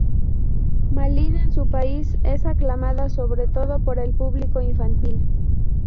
Malin en su país es aclamada sobre todo por el público infantil.